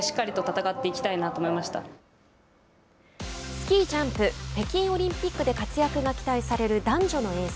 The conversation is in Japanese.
スキージャンプ北京オリンピックで活躍が期待される男女のエース。